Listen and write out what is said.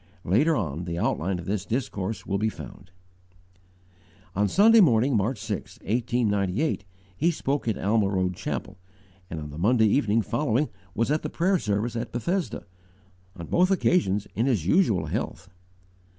Later on the outline of this discourse will be found. * Gen. xv. 6. (Hebrew.) On Sunday morning, March 6, 1898, he spoke at Alma Road Chapel, and on the Monday evening following was at the prayer service at Bethesda, on both occasions in his usual health.